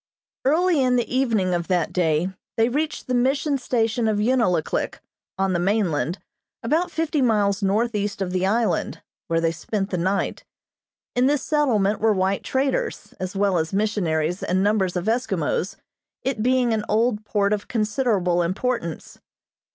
Early in the evening of that day they reached the Mission station of Unalaklik, on the mainland, about fifty miles northeast of the island, where they spent the night. In this settlement were white traders, as well as missionaries and numbers of Eskimos, it being an old port of considerable importance.